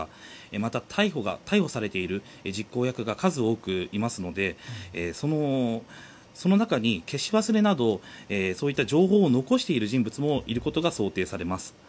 また逮捕されている実行役が数多くいますのでその中に消し忘れなどそうした情報を残している人物もいることが想定されます。